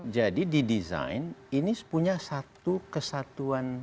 jadi di design ini punya satu kesatuan